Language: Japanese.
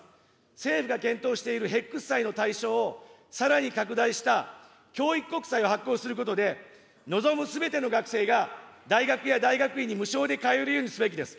政府が検討しているヘックス債の対象をさらに拡大した、教育国債を発行することで、望むすべての学生が大学や大学院に無償で通えるようにすべきです。